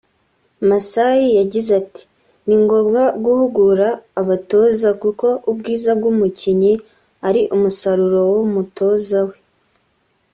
Masai yagize ati “Ni ngombwa guhugura abatoza kuko ubwiza bw’umukinnyi ari umusaruro w’umutoza we